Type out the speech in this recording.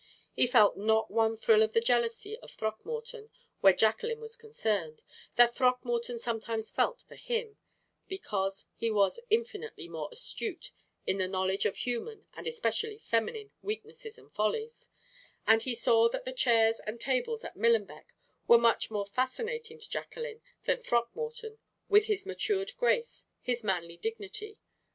He felt not one thrill of the jealousy of Throckmorton, where Jacqueline was concerned, that Throckmorton sometimes felt for him, because he was infinitely more astute in the knowledge of human and especially feminine weaknesses and follies; and he saw that the chairs and tables at Millenbeck were much more fascinating to Jacqueline than Throckmorton with his matured grace, his manly dignity.